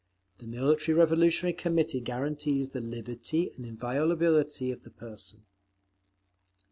_ The Military Revolutionary Committee guarantees the liberty and inviolability of the person.